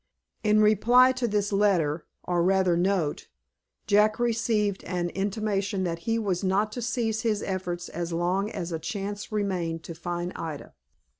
In reply to this letter, or rather note, Jack received an intimation that he was not to cease his efforts as long as a chance remained to find Ida.